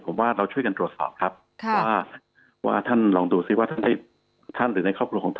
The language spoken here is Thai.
ผมว่าเราช่วยกันตรวจสอบครับว่าท่านลองดูสิว่าท่านได้